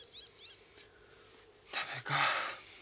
ダメか？